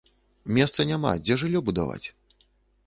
Месца няма, дзе жыллё будаваць?